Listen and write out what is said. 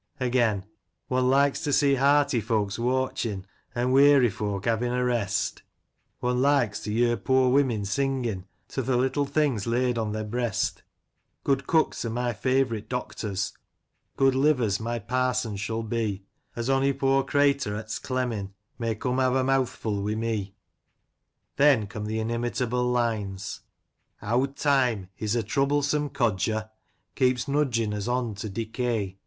Again, —« One likes to see hearty folks wortchin', An* weary folk havin* a rest ; One likes to yer poor women singin' To th' little things laid o' their breast ; Good cooks are my favourite doctors ; Good livers my parsons shall be ; An* ony poor cratur *at 's clemmin, May come have a meawthful wi* me. Then come the inimitable lines, — Owd Time — ^he*s a troublesome codger — Keeps nudgin* us on to decay.